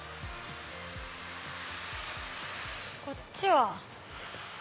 こっちは。